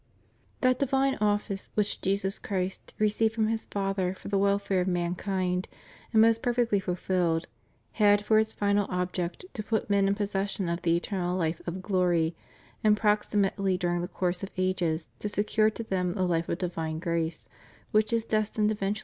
That divine office which Jesus Christ received from His Father for the welfare of mankind, and most per fectly fulfilled, had for its final object to put men in pos session of the eternal life of glory, and proximately dur ing the course of ages to secure to them the life of divine grace, which is destined eventur.